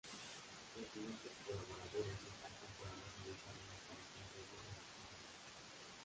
Los siguientes colaboradores destacan por haber realizado una aparición breve en el programa.